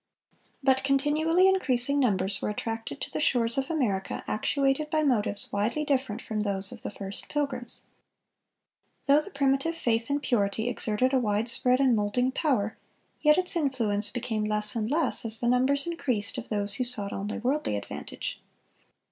But continually increasing numbers were attracted to the shores of America, actuated by motives widely different from those of the first Pilgrims. Though the primitive faith and purity exerted a wide spread and moulding power, yet its influence became less and less as the numbers increased of those who sought only worldly advantage.